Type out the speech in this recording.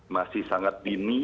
masih sangat dini